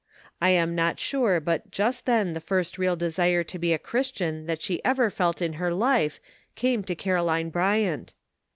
I am not sure but just then the first real desire to be a Christian that she ever felt in her life came to Caroline Bryant.